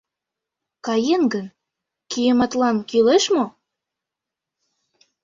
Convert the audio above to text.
Каен гын, кияматлан кӱлеш мо?..